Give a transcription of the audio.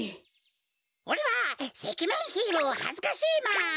おれはせきめんヒーローはずかしいマン！